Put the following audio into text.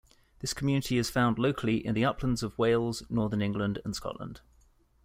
This community is found locally in the uplands of Wales, northern England and Scotland.